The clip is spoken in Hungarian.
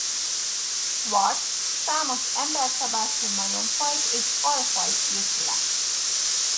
Schwarz számos emberszabású majomfajt és alfajt írt le.